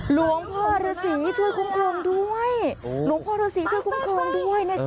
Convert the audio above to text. หลวงพ่อฤษีช่วยคุ้มกลมด้วยหลวงพ่อฤษีช่วยคุ้มกลมด้วย